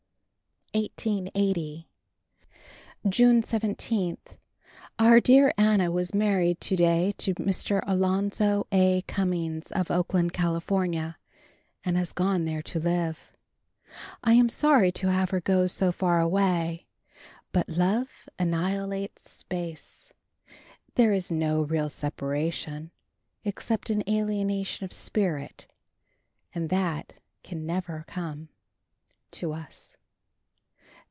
1880 June 17. Our dear Anna was married to day to Mr. Alonzo A. Cummings of Oakland, Cal., and has gone there to live. I am sorry to have her go so far away, but love annihilates space. There is no real separation, except in alienation of spirit, and that can never come to us.